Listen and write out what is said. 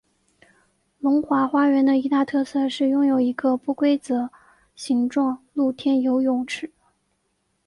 龙华花园的一大特色是拥有一个不规则形状露天游泳池。